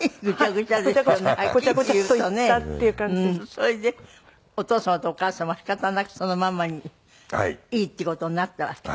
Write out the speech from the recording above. それでお父様とお母様は仕方なくそのままにいいっていう事になったわけ？